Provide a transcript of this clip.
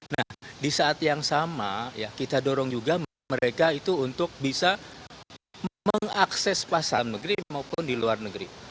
nah di saat yang sama ya kita dorong juga mereka itu untuk bisa mengakses pasar negeri maupun di luar negeri